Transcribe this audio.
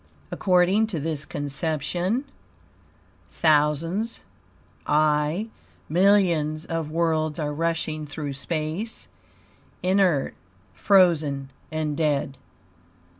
According to this conception, "thousands, aye, millions of worlds are rushing through space, inert, frozen, and dead.